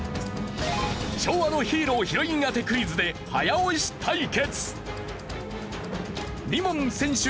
昭和のヒーロー＆ヒロイン当てクイズで早押し対決。